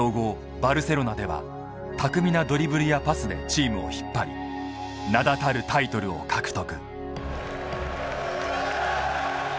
バルセロナでは巧みなドリブルやパスでチームを引っ張り名だたるタイトルを獲得。